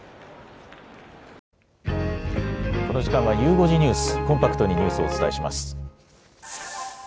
この時間はゆう５時ニュース、コンパクトにニュースをお伝えします。